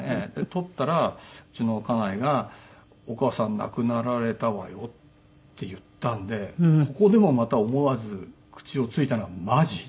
取ったらうちの家内が「お義母さん亡くなられたわよ」って言ったんでここでもまた思わず口をついたのは「マジ？」。